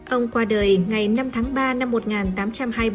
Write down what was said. ông qua đời ngày năm tháng ba năm một nghìn tám trăm hai mươi ba